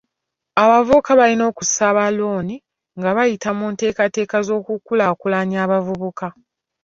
Abavubuka balina okusaba looni nga bayita mu nteekateeka z'okukulaakulanya abavubuka.